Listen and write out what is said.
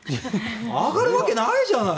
上がるわけないじゃない。